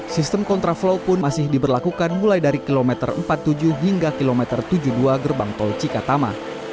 sistem kontraflow pun masih diberlakukan mulai dari kilometer empat puluh tujuh hingga kilometer tujuh puluh dua gerbang tol cikatama